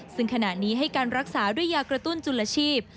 ซึ่งขณะนี้ให้การรักษาด้วยยากระตุ้นจุลชีพ